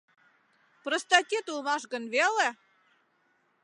Простатит улмаш гын веле!